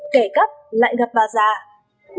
kẻ cắt lại gặp bà giảm